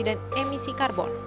dan emisi karbon